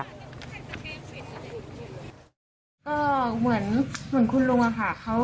ก็เหมือนคุณลุงอะค่ะ